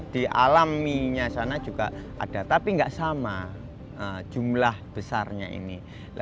di alaminya sana juga ada tapi nggak sama jumlah besarnya ini